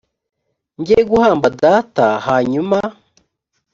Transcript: njye guhamba data hanyuma